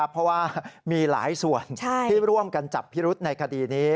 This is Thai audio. เพราะว่ามีหลายส่วนที่ร่วมกันจับพิรุษในคดีนี้